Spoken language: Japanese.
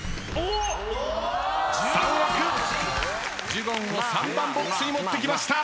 ジュゴンを３番ボックスに持ってきました。